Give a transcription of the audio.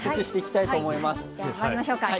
ではまいりましょうか。